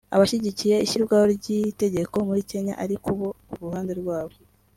Abashyigikiye ishyirwaho ry’iri tegeko muri Kenya ariko bo ku ruhande rwabo